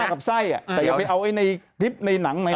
แต่ไม่ได้ลองดูภายในหนัง